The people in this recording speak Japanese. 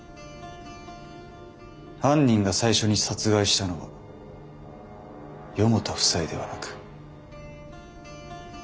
犯人が最初に殺害したのは四方田夫妻ではなく。